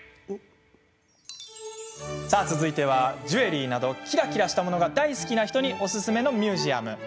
続いては、ジュエリーなどキラキラしたものが大好きな人におすすめのミュージアム。